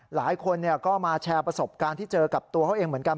หลายคนก็มาแชร์ประสบการณ์ที่เจอกับตัวเขาเองเหมือนกัน